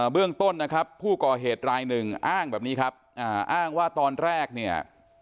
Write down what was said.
เรื่องต้นนะครับผู้ก่อเหตุรายหนึ่งอ้างแบบนี้ครับอ้างว่าตอนแรกเนี่ย